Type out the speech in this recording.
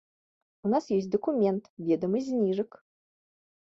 У нас ёсць дакумент, ведамасць зніжак.